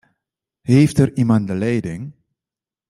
Heeft er iemand de leiding?